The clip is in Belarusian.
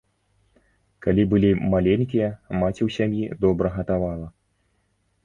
Калі былі маленькія, маці ў сям'і добра гатавала.